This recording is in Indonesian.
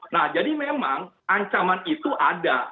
nah jadi memang ancaman itu ada